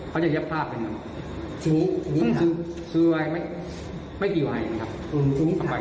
เขาจะเย็บผ้าไปหนึ่งทีนี้ทีนี้ครับไม่เกี่ยวไงครับอืมทีนี้ถามถามว่า